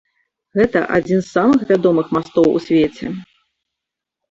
Гэта адзін з самых вядомых мастоў у свеце.